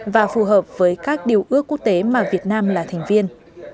và phù hợp với các điều ước quốc tế mà việt nam là thành viên